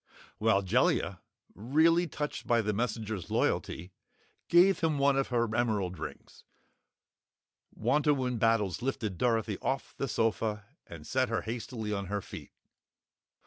While Jellia, really touched by the messenger's loyalty, gave him one of her emerald rings, Wantowin Battles lifted Dorothy off the sofa and set her hastily on her feet.